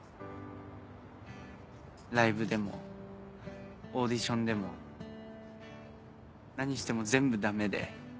ライブでもオーディションでも何しても全部ダメで。